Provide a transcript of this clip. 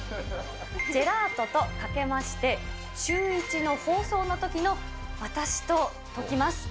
ジェラートとかけまして、シューイチの放送のときの私とときます。